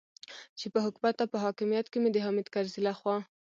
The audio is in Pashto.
چې په حکومت او په حاکمیت کې مې د حامد کرزي لخوا.